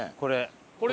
これ。